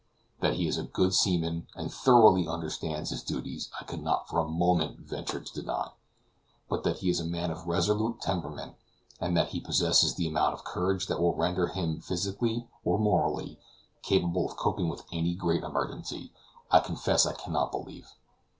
That he is a good seaman and thoroughly understands his duties I could not for a moment venture to deny; but that he is a man of resolute temperament, or that he possesses the amount of courage that would render him, physically or morally, capable of coping with any great emergency, I confess I cannot believe.